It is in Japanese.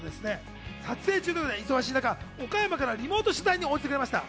撮影中ということで忙しい中、岡山からリモート取材に応じてくれました。